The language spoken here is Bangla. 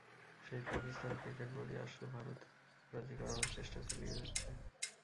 সেই পাকিস্তান ক্রিকেট বোর্ডই আসলে ভারত রাজি করানোর চেষ্টা চালিয়ে যাচ্ছে।